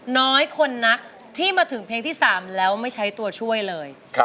น้อยคนนักที่มาถึงเพลงที่๓แล้วไม่ใช้ตัวช่วยเลย